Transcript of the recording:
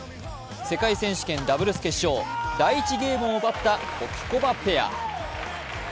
世界選手権ダブルス決勝、第１ゲームを奪ったホキコバペア。